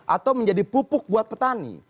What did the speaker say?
atau menjadi pupuk buat petani